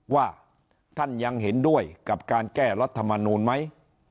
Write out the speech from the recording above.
ว่าท่านยังเห็นด้วยกับการแก้รัฐมนูลไหม